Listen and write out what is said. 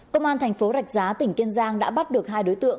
công an thành phố rạch giá tỉnh kiên giang đã bắt được hai đối tượng